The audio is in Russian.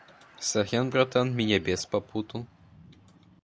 Сорян братан, меня бес попутал!